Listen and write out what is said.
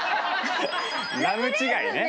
ラム違いね。